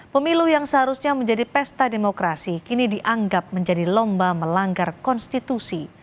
pemilu yang seharusnya menjadi pesta demokrasi kini dianggap menjadi lomba melanggar konstitusi